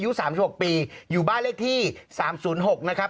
๓๖ปีอยู่บ้านเลขที่๓๐๖นะครับ